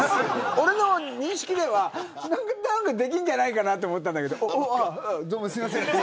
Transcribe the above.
俺の認識では何となくできるんじゃないかなと思ったけどどうも、すいません。